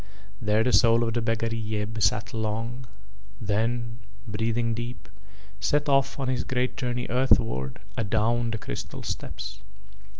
There the soul of the beggar Yeb sat long, then, breathing deep, set off on his great journey earthward adown the crystal steps.